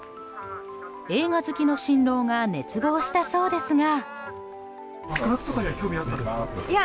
映画好きの新郎が熱望したそうですが。